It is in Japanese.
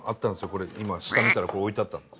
これ今下見たら置いてあったんです。